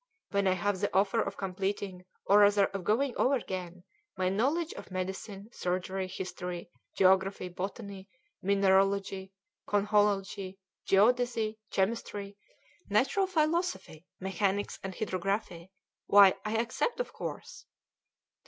When I have the offer of completing, or rather of going over again, my knowledge of medicine, surgery, history, geography, botany, mineralogy, conchology, geodesy, chemistry, natural philosophy, mechanics, and hydrography, why I accept, of course."